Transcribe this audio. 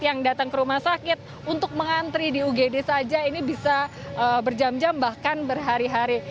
yang datang ke rumah sakit untuk mengantri di ugd saja ini bisa berjam jam bahkan berhari hari